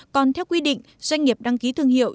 còn theo quy định doanh nghiệp đăng ký thương hiệu